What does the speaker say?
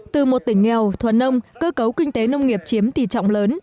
từ một tỉnh nghèo thuần nông cơ cấu kinh tế nông nghiệp chiếm tỷ trọng lớn